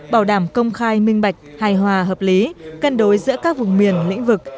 bảo đảm công khai minh bạch hài hòa hợp lý cân đối giữa các vùng miền lĩnh vực